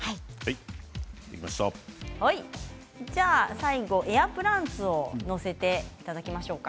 最後、エアプランツを載せていただきましょうか。